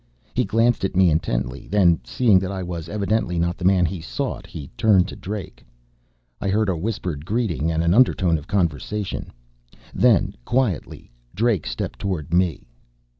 He glanced at me intently; then, seeing that I was evidently not the man he sought, he turned to Drake. I heard a whispered greeting and an undertone of conversation. Then, quietly, Drake stepped toward me.